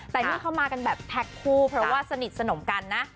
แต่นี่เขามากันแบบแท็กคู่เพราะว่าสนิทสนมกันนะ